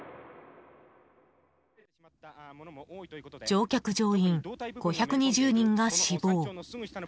乗客・乗員５２０人が死亡。